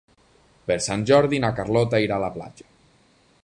Per Sant Jordi na Carlota irà a la platja.